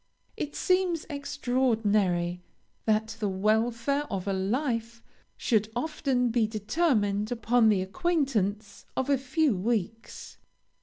It seems extraordinary that the welfare of a life should often be determined upon the acquaintance of a few weeks.